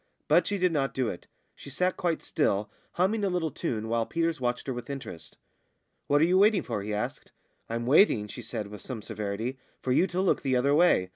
But she did not do it; she sat quite still, humming a little tune, while Peters watched her with interest. "What are you waiting for?" he asked. "I'm waiting," she said, with some severity, "for you to look the other way.